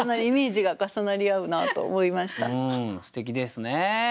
うんすてきですね！